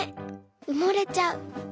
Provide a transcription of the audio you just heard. うもれちゃう」。